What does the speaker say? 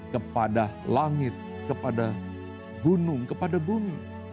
kepada langit kepada gunung kepada bumi